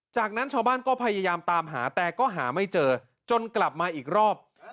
จากนั้นชาวบ้านก็พยายามตามหาแต่ก็หาไม่เจอจนกลับมาอีกรอบ